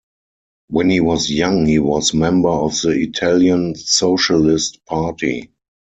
When he was young he was member of the Italian Socialist Party.